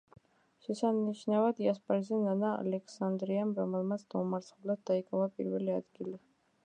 შესანიშნავად იასპარეზა ნანა ალექსანდრიამ, რომელმაც დაუმარცხებლად დაიკავა პირველი ადგილი.